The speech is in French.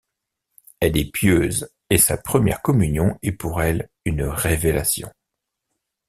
Elle est pieuse et sa première communion est pour elle une révélation.